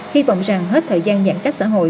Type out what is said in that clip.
hy vọng rằng hết thời gian giãn cách xã hội